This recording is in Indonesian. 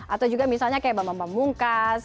atau juga misalnya kayak bambang pamungkas